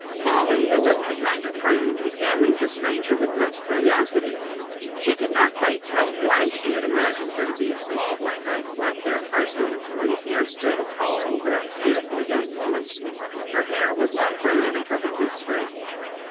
Molly, a little behind her friend, examined the stranger with much curiosity. She could not quite tell why she had imagined her to be a small black eyed, black haired person, when here stood a tall, very beautiful young woman. Her hair was light brown and perfectly straight.